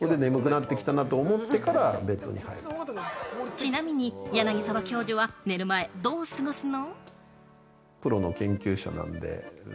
ちなみに柳沢教授は寝る前どう過ごすの？